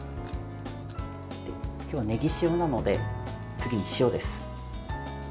今日は、ネギ塩なので次に塩です。